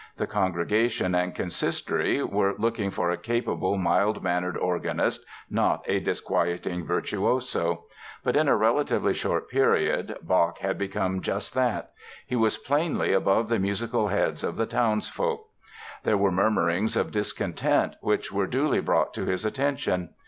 The congregation and Consistory were looking for a capable, mild mannered organist, not a disquieting virtuoso. But in a relatively short period Bach had become just that. He was plainly above the musical heads of the townsfolk. There were murmurings of discontent which were duly brought to his attention.